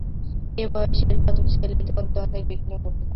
এত বয়সের প্রথম ছেলে, ইতিমধ্যে অনেক বিঘ্ন ঘটতে পারে।